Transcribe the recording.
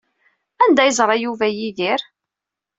Anda ay yeẓra Yuba Yidir?